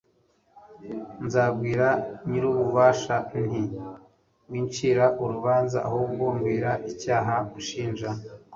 nzabwira nyir'ububasha nti 'wincira urubanza, ahubwo mbwira icyaha unshinja